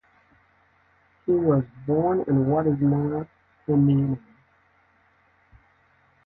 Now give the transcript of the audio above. He was born in what is now Henan.